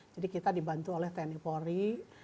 jadi kita dibantu oleh tni polri